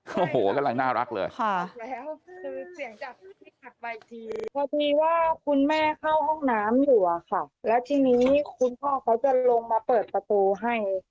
คุณแม่เข้าห้องน้ำอยู่อ่ะค่ะและทีนี้คุณพ่อเขาจะลงมาเปิดประตูให้